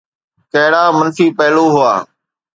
ڪهڙا منفي پهلو هئا؟